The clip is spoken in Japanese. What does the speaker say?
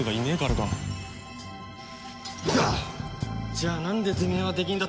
じゃあなんでてめえはできんだ？